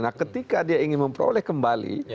nah ketika dia ingin memperoleh kembali